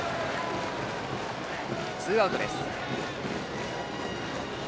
ツーアウトです。